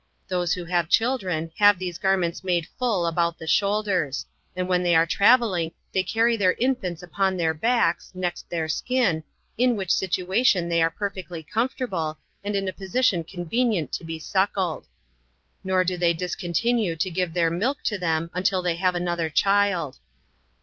Those who have children have these garments made full about the shoulders; and when they are travelling they carry their infants upon their backs, next their skin, in which situation they are perfectly comfortable, and in a position convenient to be suckled. Nor do they discontinue to give their milk to them until they have another child.